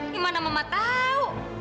gimana mama tau